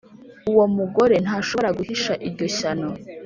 Uwomugore ntashobora guhisha iryo shyano.